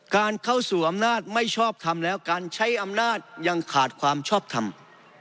การเข้าสู่อำนาจไม่ชอบทำแล้วการใช้อำนาจยังขาดความชอบทำ